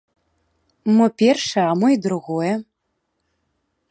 Мо першае, а мо і другое.